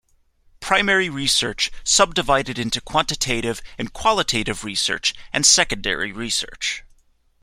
Primary Research sub-divided into Quantitative and Qualitative research and Secondary research.